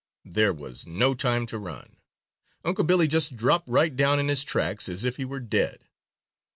There was no time to run. Unc' Billy just dropped right down in his tracks as if he were dead.